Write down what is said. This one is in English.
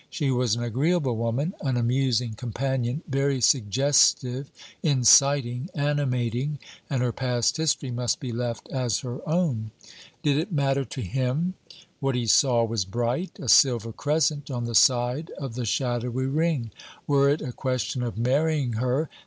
She was an agreeable woman, an amusing companion, very suggestive, inciting, animating; and her past history must be left as her own. Did it matter to him? What he saw was bright, a silver crescent on the side of the shadowy ring. Were it a question of marrying her!